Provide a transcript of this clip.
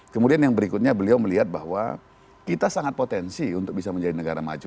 kemudian yang berikutnya beliau melihat bahwa kita sangat potensi untuk bisa menjadi negara maju